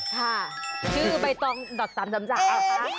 ค่ะชื่อใบตองต่ำจำจากครับ